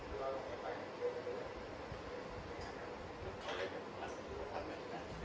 หลังจากนี้ก็ได้เห็นว่าหลังจากนี้ก็ได้เห็นว่า